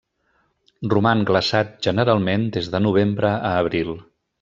Roman glaçat generalment des de novembre a abril.